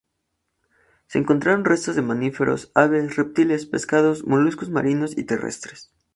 Se encontraron restos de mamíferos, aves, reptiles, pescados, moluscos marinos y terrestres.